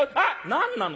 「何なの？